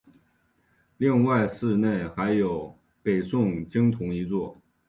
另外寺内还有北宋经幢一座。